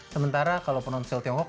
sementara kalau ponsel tiongkok